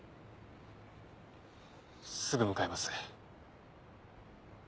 すぐ向かいます。